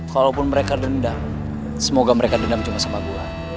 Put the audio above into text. kalaupun mereka dendam semoga mereka dendam cuma sama gua